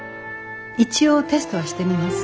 一応テストはしてみます。